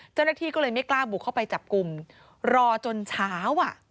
เจ้าหน้าที่ก็เลยไม่กล้าบุกเข้าไปจับกลุ่มรอจนเช้าอ่ะ